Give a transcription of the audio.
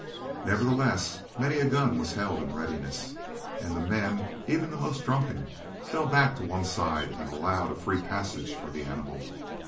Nevertheless many a gun was held in readiness, and the men, even the most drunken, fell back to one side and allowed a free passage for the animal.